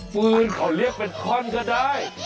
ปืนเขาเรียกเป็นท่อนก็ได้